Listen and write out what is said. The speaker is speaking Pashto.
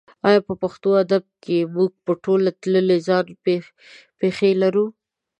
ایا په پښتو ادب کې موږ په تول تللې ځان پېښې لرو؟